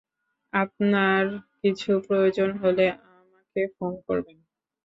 আপনার কিছু প্রয়োজন হলে আমাকে ফোন করবেন।